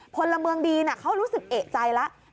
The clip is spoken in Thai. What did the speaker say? พลเมืองดีเขารู้สึกเอกใจแล้ว